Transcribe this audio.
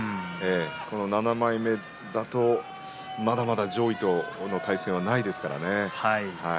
この７枚目だと、まだまだ上位との対戦はないですからね。